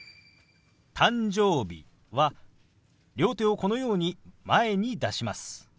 「誕生日」は両手をこのように前に出します。